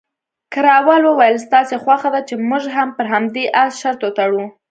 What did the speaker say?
کراول وویل، ستاسې خوښه ده چې موږ هم پر همدې اس شرط وتړو؟